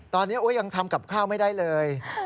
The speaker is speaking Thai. ตอนนี้ยังทำกับข้าวไม่ได้เลย